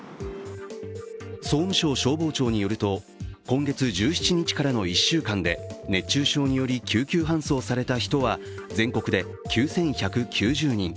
総務省消防庁によると、今月１７日からの１週間で熱中症により救急搬送された人は全国で９１９０人。